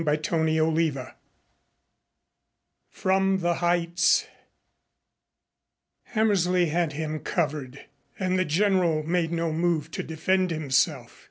CHAPTER XXII FROM THE HEIGHTS Hammersley had him covered, and the General made no move to defend himself.